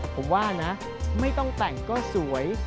ผมว่านะไม่ต้องแต่งก็สวย